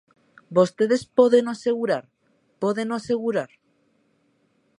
¿Vostedes pódeno asegurar?, ¿pódeno asegurar?